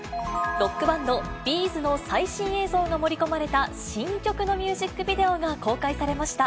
ロックバンド、Ｂ’ｚの最新映像が盛り込まれた新曲のミュージックビデオが公開されました。